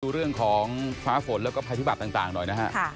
ดูเรื่องของฟ้าฝนและภายพิบัติต่างหน่อยนะครับ